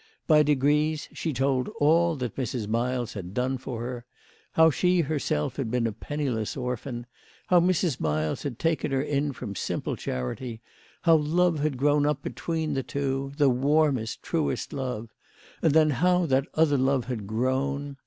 By degrees she told all that Mrs. Miles had done for her ; how she herself had been a penniless orphan ; how Mrs. Miles had taken her in from simple charity ; how love had grown up between them two, the warmest, truest love ; and then how that other love had grown